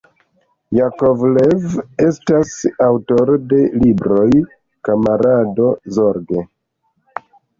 Jakovlev estas aŭtoro de libroj "Kamarado Zorge.